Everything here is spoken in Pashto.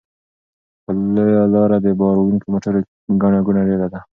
په لویه لاره د بار وړونکو موټرو ګڼه ګوڼه ډېره ده.